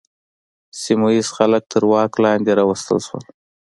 سیمه ییز خلک تر واک لاندې راوستل شول.